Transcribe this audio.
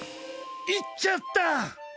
行っちゃった。